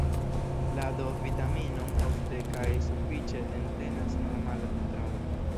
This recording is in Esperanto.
La D-vitaminon ofte kaj sufiĉe entenas normala nutrado.